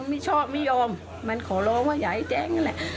ไม่ชอบไม่ยอมมันขอร้องว่าอย่าให้แจ้งนั่นแหละ